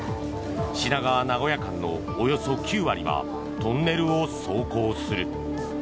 品川名古屋間のおよそ９割はトンネルを走行する。